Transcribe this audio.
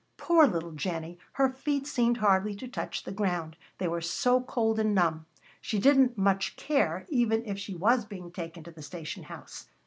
Poor little Jennie! her feet seemed hardly to touch the ground, they were so cold and numb. She didn't much care even if she was being taken to the station house.